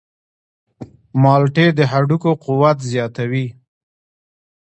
مالټې د هډوکو قوت زیاتوي.